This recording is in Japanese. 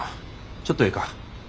ちょっとええか。